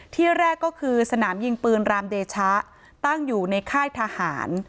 ที่แรกก็คือสนามยิงปืนรามเดชะตั้งอยู่ในค่ายทหาร